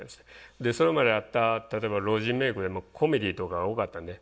それまであった例えば老人メイクでもコメディーとかが多かったんで。